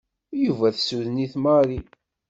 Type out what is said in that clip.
Yuba tessuden-it Marie.